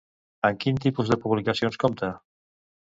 Amb quin tipus de publicacions compta?